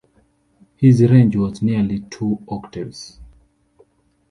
His range was nearly two octaves.